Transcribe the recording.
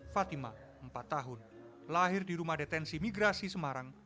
fatima empat tahun lahir di rumah detensi migrasi semarang